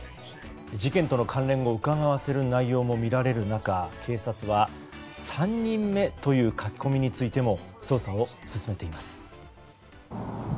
事件との関連をうかがわせる内容も見られる中、警察は３人目という書き込みについても捜査を進めています。